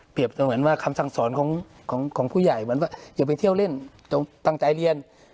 เหมือนว่าคำสั่งสอนของผู้ใหญ่อย่าไปเที่ยวเล่นตั้งใจเรียน